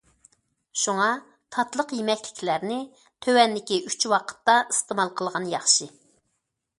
شۇڭا تاتلىق يېمەكلىكلەرنى تۆۋەندىكى ئۈچ ۋاقىتتا ئىستېمال قىلغان ياخشى.